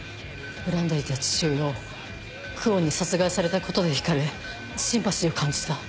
恨んでいた父親を久遠に殺害されたことで引かれシンパシーを感じた。